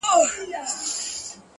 زما له لاسه تر سږمو چي كلى كور سو.!